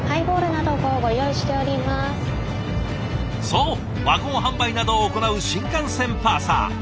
そうワゴン販売などを行う新幹線パーサー。